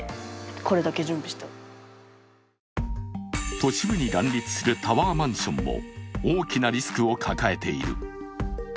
都市部に乱立するタワーマンションも大きなリスクを抱えている。